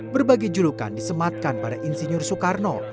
berbagai julukan disematkan pada insinyur soekarno